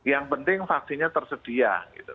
yang penting vaksinnya tersedia